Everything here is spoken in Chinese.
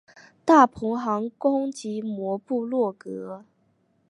大鹏航空奇摩部落格